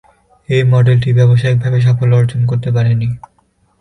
এই মডেলটি ব্যবসায়িকভাবে সাফল্য অর্জন করতে পারেনি।